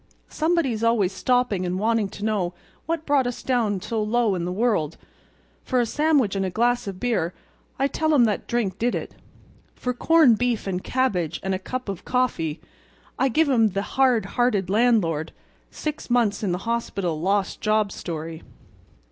Somebody's always stopping and wanting to know what brought us down so low in the world. For a sandwich and a glass of beer I tell 'em that drink did it. For corned beef and cabbage and a cup of coffee I give 'em the hard hearted landlord—six months in the hospital lost job story.